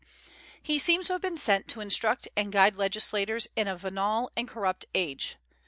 He seems to have been sent to instruct and guide legislators in a venal and corrupt age.